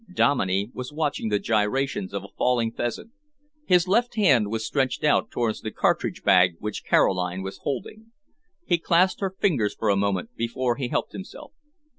Dominey was watching the gyrations of a falling pheasant. His left hand was stretched out towards the cartridge bag which Caroline was holding. He clasped her fingers for a moment before he helped himself.